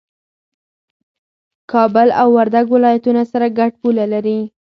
کابل او وردګ ولايتونه سره ګډه پوله لري